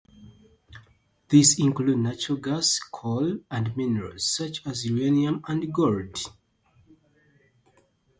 These include natural gas, coal, and minerals such as uranium and gold.